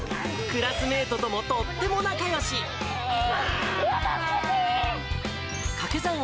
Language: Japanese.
クラスメートともとっても仲ばーん。